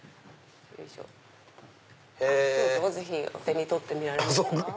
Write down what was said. どうぞぜひお手に取って見られますか？